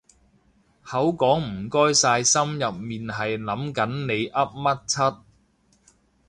口講唔該晒心入面係諗緊你噏乜柒